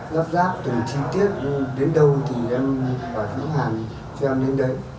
dắp dắp từ chi tiết đến đâu thì em bảo chú hàn cho em đến đây